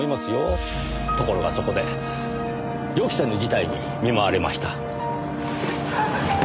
ところがそこで予期せぬ事態に見舞われました。